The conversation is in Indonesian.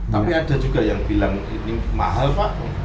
tapi ada juga yang bilang ini mahal pak